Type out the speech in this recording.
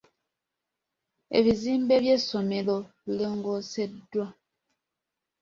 Ebizimbe by'essomero birongooseddwa.